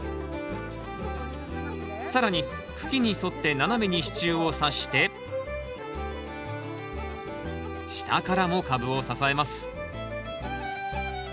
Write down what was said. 更に茎に沿って斜めに支柱をさして下からも株を支えます